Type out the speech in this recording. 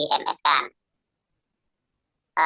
lalu beberapa hari kemudian kami di ms kan